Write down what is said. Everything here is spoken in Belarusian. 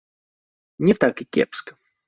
Не так і кепска.